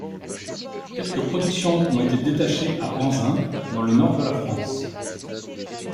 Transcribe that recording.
Quelques productions ont été détachées à Anzin, dans le Nord de la France.